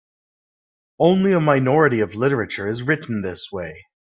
Only a minority of literature is written this way.